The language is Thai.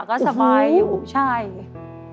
ก็สบายอยู่ใช่อู๋โอ้โฮ